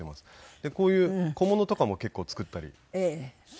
でこういう小物とかも結構作ったりしていて。